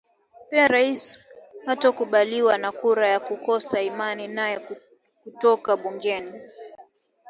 Pia Rais hatokabiliwa na kura ya kukosa imani nae kutoka bungeni